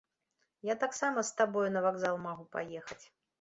Я таксама з табою на вакзал магу паехаць.